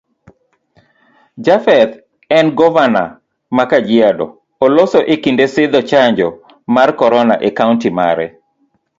Japheth en govana ma kajiado, oloso ekinde sidho chanjo mar corona e kaunti mare.